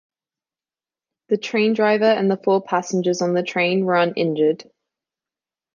The train driver and the four passengers on the train were uninjured.